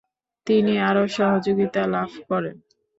তিনি আরও সহযোগিতা লাভ করেন।